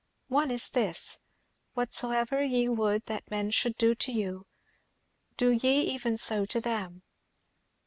"One is this 'Whatsoever ye would that men should do to you, do ye even so to them.'